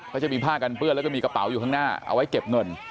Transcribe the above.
เขาจะมีผ้ากันเปื้อนแล้วก็มีกระเป๋าอยู่ข้างหน้าเอาไว้เก็บเงิน